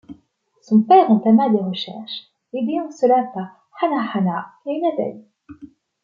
Son père entama des recherches aidé en cela par Hannahannah et une abeille.